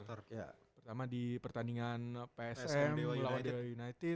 pertama di pertandingan psm melawan dl united